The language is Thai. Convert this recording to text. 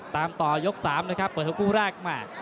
ตามต่อยก๓นะครับเปิด๖คู่แรกแม่